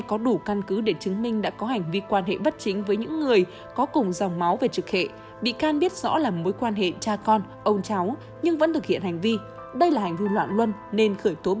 ông cường nêu quan điểm